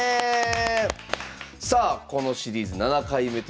さあこのシリーズ７回目となります。